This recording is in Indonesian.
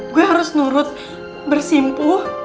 gue harus nurut bersimpu